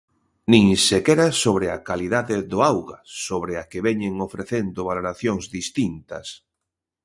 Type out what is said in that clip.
Nin sequera sobre a calidade do auga, sobre a que veñen ofrecendo valoracións distintas.